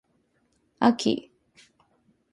あき